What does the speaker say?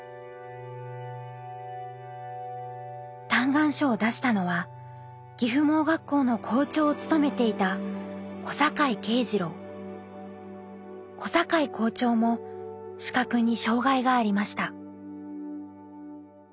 嘆願書を出したのは岐阜盲学校の校長を務めていた小坂井校長も視覚に障害がありました。